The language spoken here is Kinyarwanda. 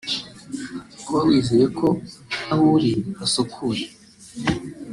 ukaba wizeye ko aho uri hasukuye